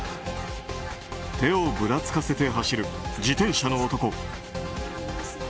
手をぶらつかせて走る自転車の男。